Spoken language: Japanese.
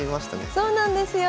そうなんですよ。